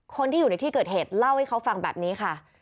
คนที่อยู่ในที่เกิดเหตุเล่าให้เขาฟังแบบนี้ค่ะ